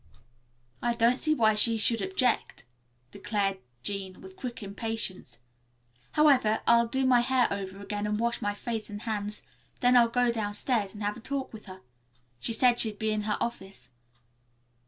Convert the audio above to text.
"I don't see why she should object," declared Jean, with quick impatience. "However, I'll do my hair over again, and wash my face and hands, then I'll go down stairs and have a talk with her. She said she'd be in her office."